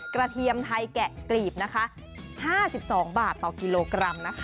กระเทียมไทยแกะกรีบ๕๒บาทต่อกิโลกรัม